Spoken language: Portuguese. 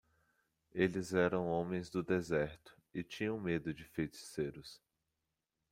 Eles eram homens do deserto e tinham medo de feiticeiros.